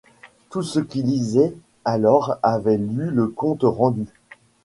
Tout ce qui lisait alors avait lu le compte rendu.